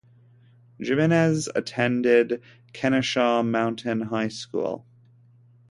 Jimenez attended Kennesaw Mountain High School.